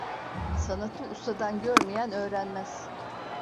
Sanatı ustadan görmeyen öğrenmez.